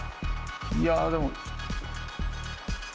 いやでも。